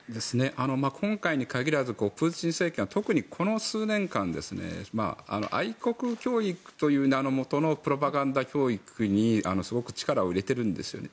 今回に限らずプーチン政権は特に、この数年間愛国教育という名のもとにプロパガンダ教育にすごく力を入れているんです。